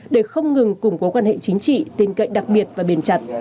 để không ngừng củng cố quan hệ chính trị tiên cạnh đặc biệt và bền chặt